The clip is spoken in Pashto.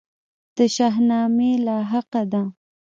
د شاهنامې لاحقه ده.